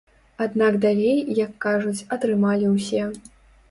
Аднак далей, як кажуць, атрымалі ўсе.